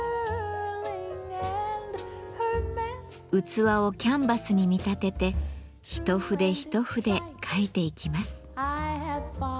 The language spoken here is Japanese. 器をキャンバスに見立てて一筆一筆描いていきます。